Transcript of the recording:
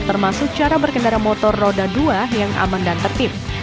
termasuk cara berkendara motor roda dua yang aman dan tertib